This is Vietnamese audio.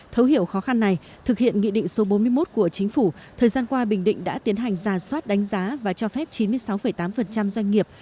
thấu hiểu khó khăn này thực hiện nghị định số bốn mươi một của chính phủ thời gian qua bình định đã tiến hành giả soát đánh giá và cho phép chín mươi sáu tám doanh nghiệp